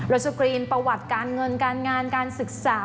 สกรีนประวัติการเงินการงานการศึกษา